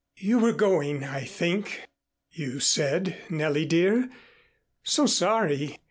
"You were going, I think you said, Nellie, dear. So sorry.